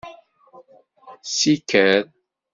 Siker.